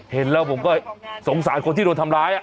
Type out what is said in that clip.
เห็นแล้วผมก็สงสารคนที่โดนทำร้าย